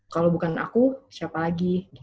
kalau bukan aku siapa lagi